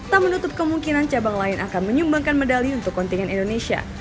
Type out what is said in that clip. tak menutup kemungkinan cabang lain akan menyumbangkan medali untuk kontingen indonesia